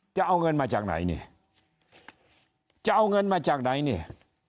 จะเอาเงินมาจากไหนนี่จะเอาเงินมาจากไหนนี่